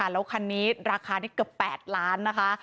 แล้วคันนี้ราคานี้เกือบ๘ล้านนะคะ